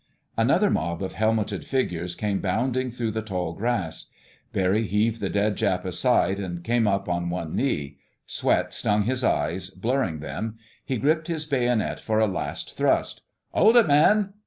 Another mob of helmeted figures came bounding through the tall grass. Barry heaved the dead Jap aside, and came up on one knee. Sweat stung his eyes, blurring them. He gripped his bayonet for a last thrust. "Hold it, man!"